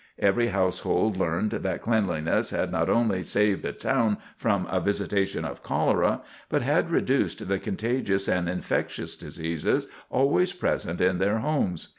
Every household learned that cleanliness had not only saved a town from a visitation of cholera, but had reduced the contagious and infectious diseases always present in their homes.